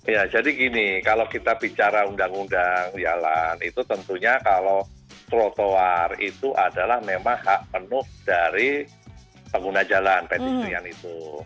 ya jadi gini kalau kita bicara undang undang jalan itu tentunya kalau trotoar itu adalah memang hak penuh dari pengguna jalan petistrian itu